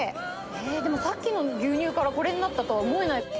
さっきの牛乳からこれになったとは思えない。